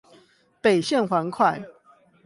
北縣環快